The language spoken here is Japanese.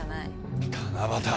七夕！